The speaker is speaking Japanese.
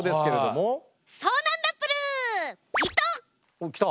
おっきた。